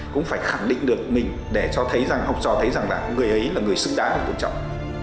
cũng phải khẳng định được mình để cho thấy rằng học trò thấy rằng là người ấy là người xứng đáng là tôn trọng